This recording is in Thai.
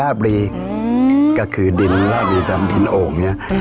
อ่าค่ะค่ะค่ะค่ะ